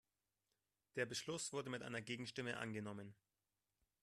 Der Beschluss wurde mit einer Gegenstimme angenommen.